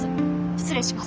失礼します。